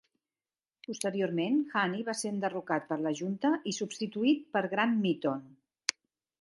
Posteriorment, Hanni va ser enderrocat per la junta i substituït per Grant Mitton.